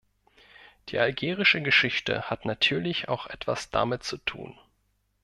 Die algerische Geschichte hat natürlich auch etwas damit zu tun.